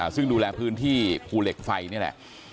ซึ่งดูแลพื้นที่ภูเหล็กไฟนี่แหละ